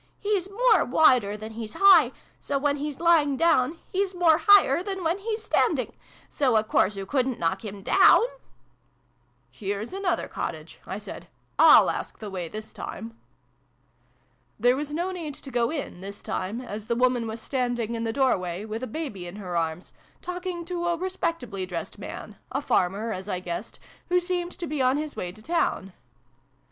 " He's more wider than he's high : so, when he's lying down, he's more higher than when he's standing : so a course oo couldn't knock him down !"" Here's another cottage," I said: "/Y/ask the way, this time." There was no need to go in, this time, as the woman was standing in the doorway, with a baby in her arms, talking to a respectably dressed man a farmer, as I guessed who seemed to be on his way to the town.